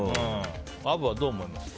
アブはどう思いますか？